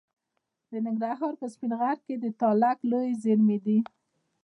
د ننګرهار په سپین غر کې د تالک لویې زیرمې دي.